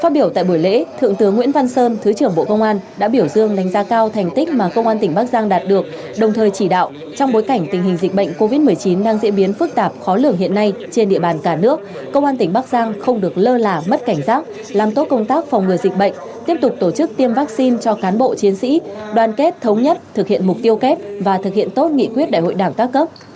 phát biểu tại buổi lễ thượng tướng nguyễn văn sơn thứ trưởng bộ công an đã biểu dương đánh giá cao thành tích mà công an tỉnh bắc giang đạt được đồng thời chỉ đạo trong bối cảnh tình hình dịch bệnh covid một mươi chín đang diễn biến phức tạp khó lửa hiện nay trên địa bàn cả nước công an tỉnh bắc giang không được lơ là mất cảnh giác làm tốt công tác phòng ngừa dịch bệnh tiếp tục tổ chức tiêm vaccine cho cán bộ chiến sĩ đoàn kết thống nhất thực hiện mục tiêu kép và thực hiện tốt nghị quyết đại hội đảng tác cấp